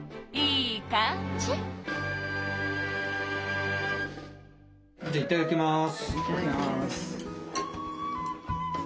いただきます！